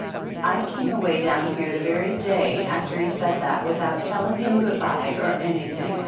I came away down here the very day after he said that, without telling him good by or anything.